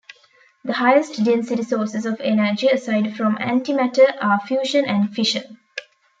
The highest density sources of energy aside from antimatter are fusion and fission.